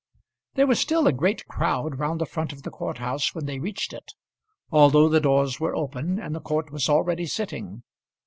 There was still a great crowd round the front of the court house when they reached it, although the doors were open, and the court was already sitting.